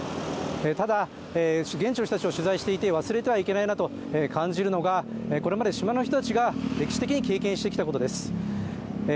ただ、現地の人たちを取材していて忘れてはいけないと感じるのはこれまで島の人たちが歴史的に経験してきたことです。